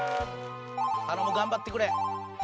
頼む頑張ってくれ。